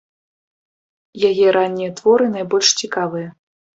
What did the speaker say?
Яе раннія творы найбольш цікавыя.